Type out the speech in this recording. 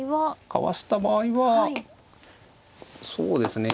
かわした場合はそうですね